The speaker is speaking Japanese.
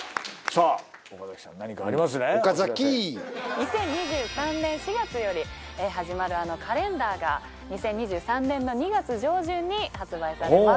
２０２３年４月より始まるカレンダーが２０２３年の２月上旬に発売されます